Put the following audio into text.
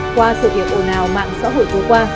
qua sự hiểu ồn ào mạng xã hội vô qua